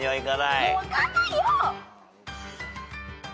もう分かんないよ。